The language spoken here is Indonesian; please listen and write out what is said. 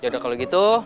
ya udah kalau gitu